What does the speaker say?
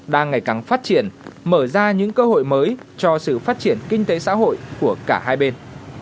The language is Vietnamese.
đang ngày càng phát triển mở ra những cơ hội mới cho sự phát triển kinh tế xã hội của cả hai bên